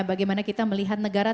bagaimana kita melihat negara